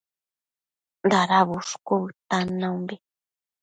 Dada bushcu bëtan naumbi